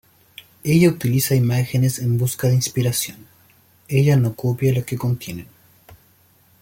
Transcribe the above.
Ella utiliza imágenes en busca de inspiración, ella no copia lo que contienen.